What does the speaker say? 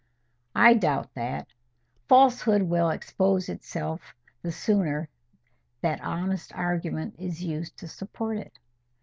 "I doubt that. Falsehood will expose itself the sooner that honest argument is used to support it."